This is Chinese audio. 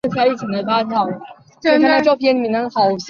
出生于纽奥良。